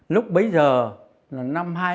lúc bấy giờ là năm hai nghìn